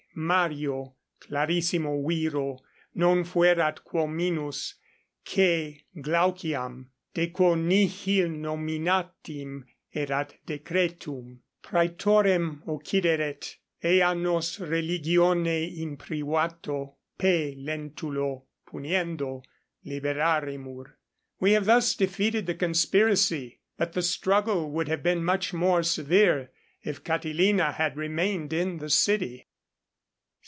Mario, clarissimo viro, non fuerat quo minus C. Glauciam, de quo nihil nominatim erat decretum, praetorem occideret, ea nos religione in privato P. Lentulo puniendo liberaremur. _We have thus defeated the conspiracy; but the struggle would have been much more severe, if Catilina had remained in the city.